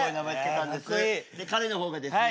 彼の方がですね